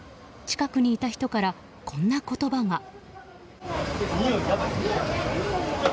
近くにいた人から、こんな言葉が。